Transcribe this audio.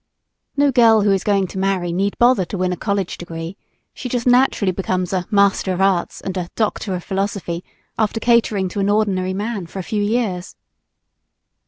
No girl who is going to marry need bother to win a college degree; she just naturally becomes a "Master of Arts" and a "Doctor of Philosophy" after catering to an ordinary man for a few years.